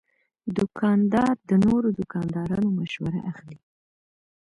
دوکاندار د نورو دوکاندارانو مشوره اخلي.